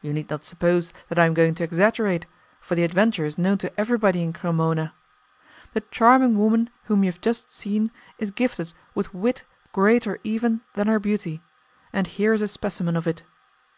You need not suppose that I am going to exaggerate, for the adventure is known to everybody in Cremona. The charming woman whom you have just seen is gifted with wit greater even than her beauty, and here is a specimen of it.